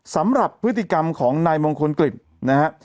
สำหรับพฤติกรรมของนายมงคลกฤษนะฮะ